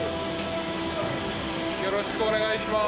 よろしくお願いします。